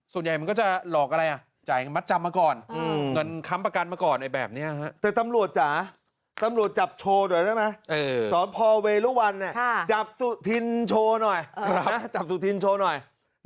ตอนพอเวย์ลุกวันจับสุทินโชว์หน่อย